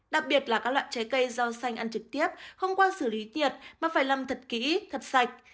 đặc biệt là các loại trái cây rau xanh ăn trực tiếp không qua xử lý nhiệt mà phải lâm thật kỹ thật sạch